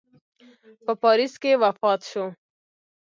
په پاریس کې وفات سو.